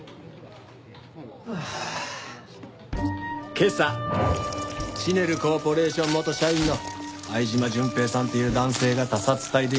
今朝チネルコーポレーション元社員の相島潤平さんという男性が他殺体で見つかったの。